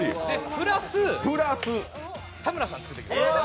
プラス田村さん作ってきました。